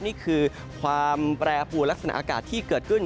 นี่คือความแปรปวนลักษณะอากาศที่เกิดขึ้น